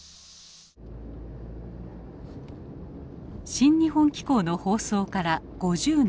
「新日本紀行」の放送から５０年。